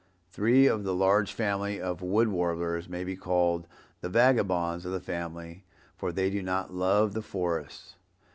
Three of the large family of Wood Warblers may be called the vagabonds of the family, for they do not love the forest.